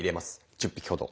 １０匹ほど。